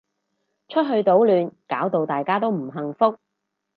出去搗亂搞到大家都唔幸福